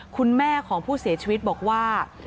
คุณแม่ของผู้เสียชีวิตบอกว่า